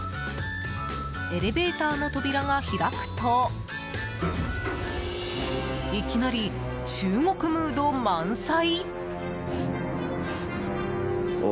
エレベーターの扉が開くといきなり中国ムード満載。